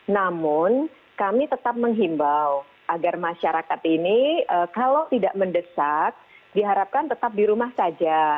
namun kami tetap menghimbau agar masyarakat ini kalau tidak mendesak diharapkan tetap di rumah saja